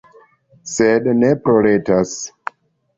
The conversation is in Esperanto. Sed ne ploretas.